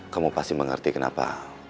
kamu pasti mengerti kenapa